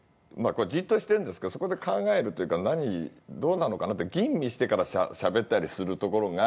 じっとしてるんですけどそこで考えるというか「どうなのかな？」って吟味してからしゃべったりするところが何となく落ち着いて見える。